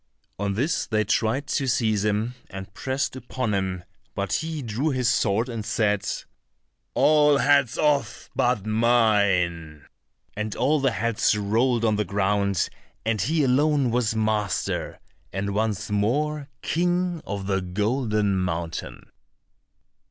On this they tried to seize him and pressed upon him, but he drew his sword and said, "All heads off but mine," and all the heads rolled on the ground, and he alone was master, and once more King of the Golden Mountain.